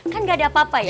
kan nggak ada apa apa ya